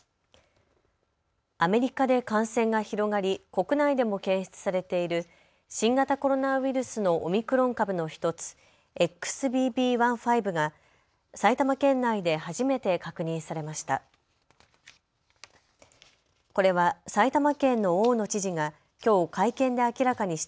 アメリカで感染が広がり国内でも検出されている新型コロナウイルスのオミクロン株の１つＸＢＢ．１．５が埼玉県内で初めて確認されました。